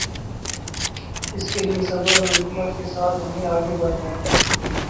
اس کے لیے صبر اور حکمت کے ساتھ ہمیں آگے بڑھنا ہے۔